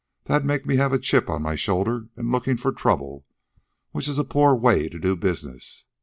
That'd make me have a chip on my shoulder an' lookin' for trouble, which is a poor way to do business.